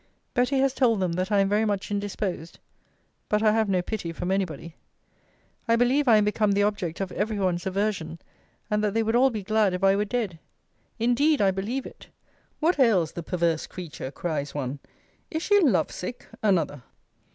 Betty has told them that I am very much indisposed. But I have no pity from any body. I believe I am become the object of every one's aversion; and that they would all be glad if I were dead. Indeed I believe it. 'What ails the perverse creature?' cries one: 'Is she love sick?' another.